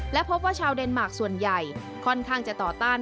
และพบว่าชาวเดนมาร์คส่วนใหญ่ค่อนข้างจะต่อต้าน